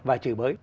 và trừ bới